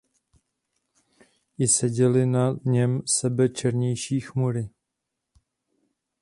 I seděly na něm sebe černější chmury.